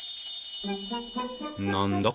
何だ？